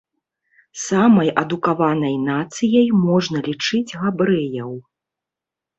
Самай адукаванай нацыяй можна лічыць габрэяў.